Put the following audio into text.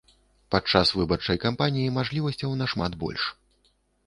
Падчас выбарчай кампаніі мажлівасцяў нашмат больш.